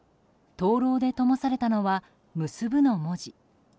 灯籠でともされたのは「むすぶ」の文字。